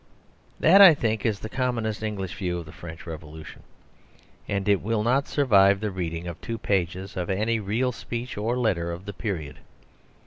That, I think, is the commonest English view of the French Revolution; and it will not survive the reading of two pages of any real speech or letter of the period.